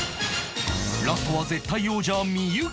ラストは絶対王者幸